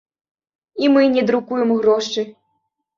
І мы не друкуем грошы.